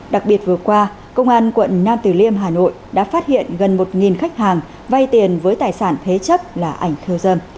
đặc biệt vừa qua công an quận nam từ liêm hà nội đã phát hiện gần một khách hàng vay tiền với tài sản thế chấp là ảnh khiêu dâm